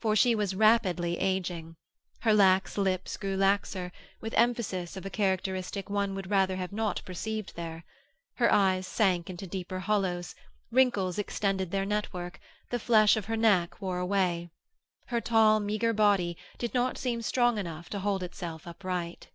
For she was rapidly ageing; her lax lips grew laxer, with emphasis of a characteristic one would rather not have perceived there; her eyes sank into deeper hollows; wrinkles extended their network; the flesh of her neck wore away. Her tall meagre body did not seem strong enough to hold itself upright.